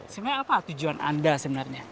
sebenarnya apa tujuan anda sebenarnya